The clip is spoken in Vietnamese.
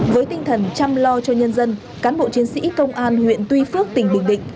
với tinh thần chăm lo cho nhân dân cán bộ chiến sĩ công an huyện tuy phước tỉnh bình định